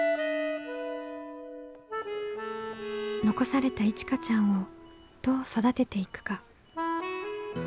残されたいちかちゃんをどう育てていくか。